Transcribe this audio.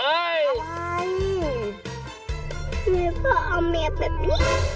อะไรทำไมพ่อเอาเมียแบบนี้